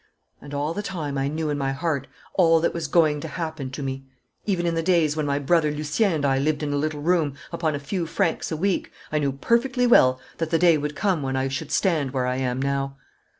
And all the time I knew in my heart all that was going to happen to me. Even in the days when my brother Lucien and I lived in a little room upon a few francs a week, I knew perfectly well that the day would come when I should stand where I am now.